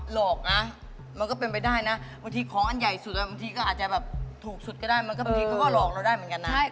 หลอกนะมันก็เป็นไปได้นะบางทีของอันใหญ่สุดบางทีก็อาจจะแบบถูกสุดก็ได้มันก็บางทีเขาก็หลอกเราได้เหมือนกันนะ